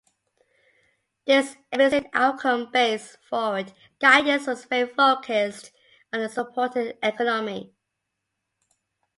This explicit outcome-based forward guidance was very focused on supporting the economy.